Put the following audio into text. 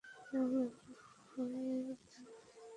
নাম রাখা হয় দান।